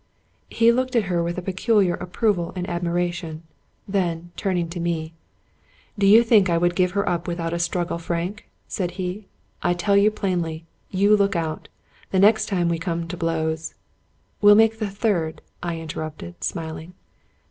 He looked at her with a peculiar approval and admiration ; then, turning to me, " Do you think I would give her up without a struggle, Frank?" said he. "I tell you plainly, you look out. The next time we come to blows "" Will make the third," I interrupted, smiling.